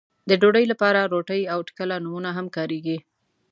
د ډوډۍ لپاره روټۍ او ټکله نومونه هم کاريږي.